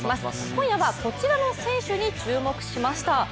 今夜はこちらの選手に注目しました。